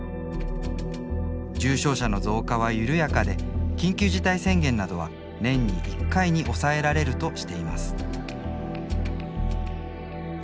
重症者の増加は緩やかで緊急事態宣言などは年に１回に抑えられるとしています。